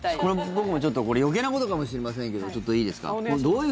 僕もちょっと余計なことかもしれませんけどちょっといいですか。